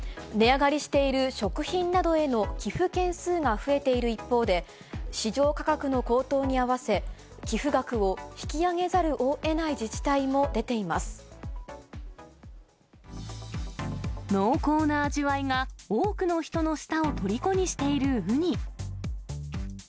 値上がりしている食品などへの寄付件数が増えている一方で、市場価格の高騰に併せ、寄付額を引き上げざるをえない自治体も出濃厚な味わいが多くの人の舌をとりこにしているウニ。